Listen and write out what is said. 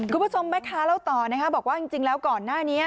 คุณผู้ชมแม่ค้าเล่าต่อนะคะบอกว่าจริงแล้วก่อนหน้านี้